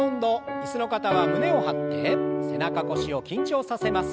椅子の方は胸を張って背中腰を緊張させます。